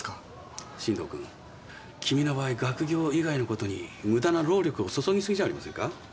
進藤君君の場合学業以外のことに無駄な労力を注ぎすぎじゃありませんか？